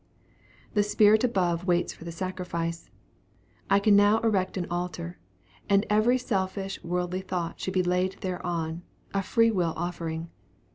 The Spirit above waits for the sacrifice. I can now erect an altar, and every selfish worldly thought should be laid thereon, a free will offering.